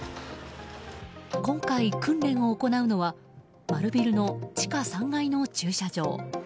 今回、訓練を行うのはマルビルの地下３階の駐車場。